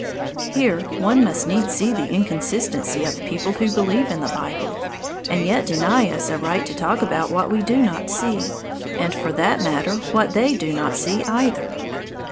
Here one must needs see the inconsistency of people who believe in the Bible, and yet deny us a right to talk about what we do not see, and for that matter what they do not see, either.